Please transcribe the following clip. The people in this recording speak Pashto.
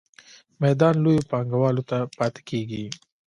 میدان لویو پانګوالو ته پاتې کیږي.